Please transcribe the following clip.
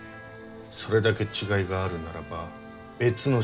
それだけ違いがあるならば別の植物だろう。